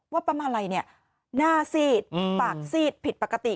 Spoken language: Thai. ว่าป้ามาลัยนี่หน้าสีดปากสีดผิดปกติ